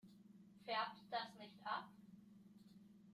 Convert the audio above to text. Färbt das nicht ab?